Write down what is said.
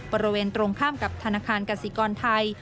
บริเวณตรงข้ามกับธนาคารกสิกรไทย